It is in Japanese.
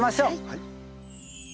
はい。